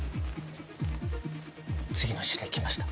次の指令来ました。